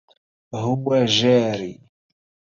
هو جاري.